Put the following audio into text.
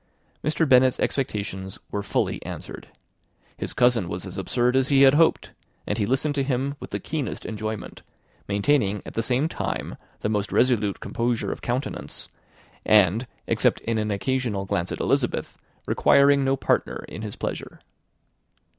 Mr. Bennet's expectations were fully answered. His cousin was as absurd as he had hoped; and he listened to him with the keenest enjoyment, maintaining at the same time the most resolute composure of countenance, and, except in an occasional glance at Elizabeth, requiring no partner in his pleasure.